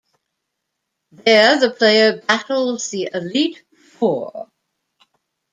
There the player battles the Elite Four.